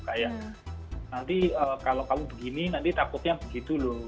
kayak nanti kalau kamu begini nanti takutnya begitu loh